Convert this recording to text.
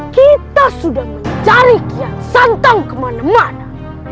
kita sudah mencari kia santang kemana mana